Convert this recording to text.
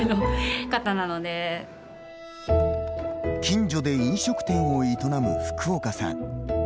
近所で飲食店を営む福岡さん。